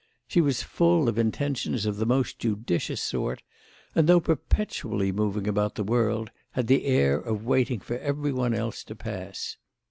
She was full of intentions of the most judicious sort and, though perpetually moving about the world, had the air of waiting for every one else to pass.